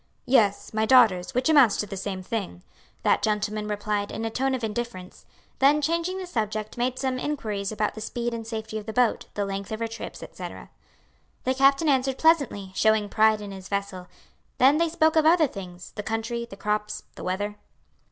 "Yes, my daughter's, which amounts to the same thing," that gentleman replied in a tone of indifference; then changing the subject, made some inquiries about the speed and safety of the boat, the length of her trips, etc. The captain answered pleasantly, showing pride in his vessel. Then they spoke of other things: the country, the crops, the weather.